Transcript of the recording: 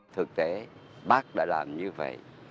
thực tế bác đã làm như vậy